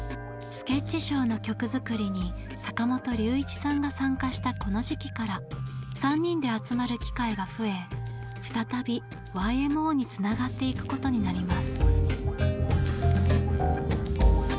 ｓｋｅｔｃｈｓｈｏｗの曲作りに坂本龍一さんが参加したこの時期から３人で集まる機会が増え再びＹＭＯにつながっていくことになります。